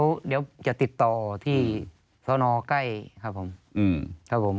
เดี๋ยวจะติดต่อที่สนใกล้ครับผมครับผม